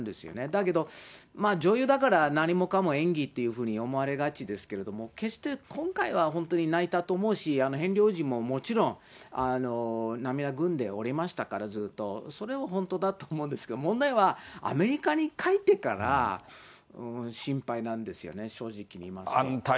だけど、まあ、女優だから、何もかも演技っていうふうに思われがちですけれども、決して今回は、本当に泣いたと思うし、ヘンリー王子ももちろん、涙ぐんでおりましたから、ずっと、それは本当だと思うんですけど、問題は、アメリカに帰ってから心配なんですよね、正直言いますと。